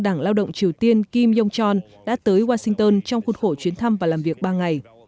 đảng lao động triều tiên kim jong chon đã tới washington trong khuôn khổ chuyến thăm và làm việc ba ngày